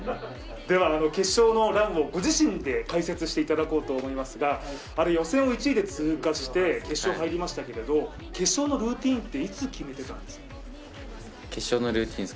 決勝のランをご自身で解説していただこうと思いますが、予選を１位で通過して決勝に入りましたけど、決勝のルーティンっていつ決めてたんですか？